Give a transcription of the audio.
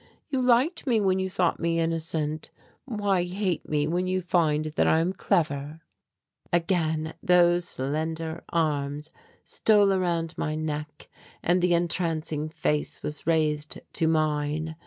You liked me when you thought me innocent. Why hate me when you find that I am clever?" Again those slender arms stole around my neck, and the entrancing face was raised to mine.